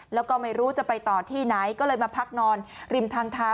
แล้วก็ไม่รู้จะไปต่อที่ไหนก็เลยมาพักนอนริมทางเท้า